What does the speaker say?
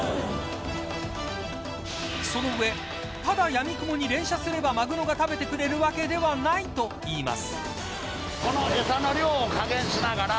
その上、ただやみくもに連射すればマグロが食べてくれるわけではないといいます。